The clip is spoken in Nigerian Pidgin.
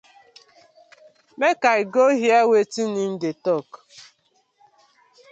Mak I go heaar wetin im dey tok.